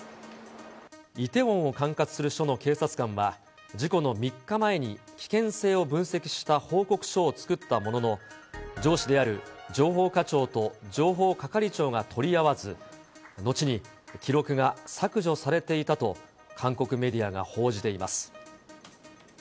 イテウォンを管轄する署の警察官は、事故の３日前に、危険性を分析した報告書を作ったものの、上司である情報課長と情報係長が取り合わず、後に記録が削除されていたと、韓国メディアが報じています。